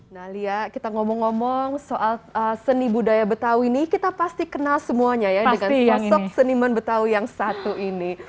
nah lia kita ngomong ngomong soal seni budaya betawi ini kita pasti kenal semuanya ya dengan sosok seniman betawi yang satu ini